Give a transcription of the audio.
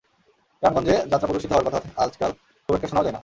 গ্রামগঞ্জে যাত্রা প্রদর্শিত হওয়ার কথা আজকাল খুব একটা শোনাও যায় না।